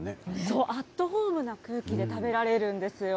そう、アットホームな雰囲気で食べられるんですよ。